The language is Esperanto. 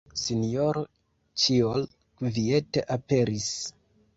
Sinjoro Ĉiol kviete aperis.